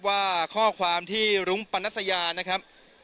ว่าข้อความที่รุ้งปนัสยานะครับ